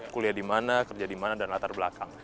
kuliah di mana kerja di mana dan latar belakang